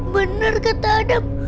benar kata adam